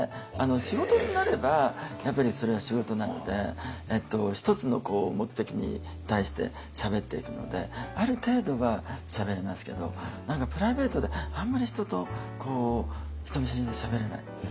仕事になればやっぱりそれは仕事なので一つの目的に対してしゃべっていくのである程度はしゃべれますけど何かプライベートであんまり人と人見知りでしゃべれない。